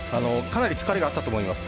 かなり疲れがあったと思います。